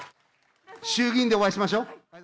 衆議院でお会いしましょ。